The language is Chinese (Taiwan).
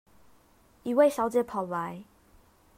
一位小姐跑來